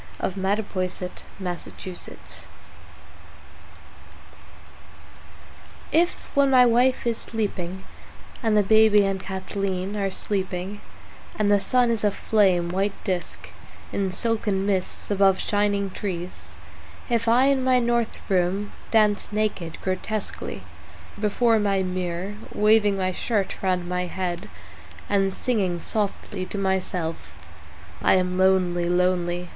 William Carlos Williams Danse Russe IF when my wife is sleeping and the baby and Kathleen are sleeping and the sun is a flame white disc in silken mists above shining trees, if I in my north room dance naked, grotesquely before my mirror waving my shirt round my head and singing softly to myself: "I am lonely, lonely.